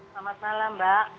selamat malam mbak